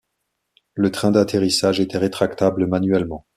Le train d'atterrissage était rétractable manuellement.